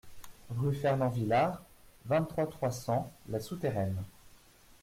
Rue Fernand Villard, vingt-trois, trois cents La Souterraine